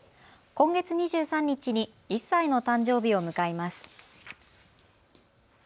今月２３日に１歳の誕生日を迎えます。